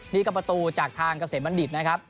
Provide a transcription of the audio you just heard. นี่ก็ประตูจากทางเกษมบัณฑิตนะครับ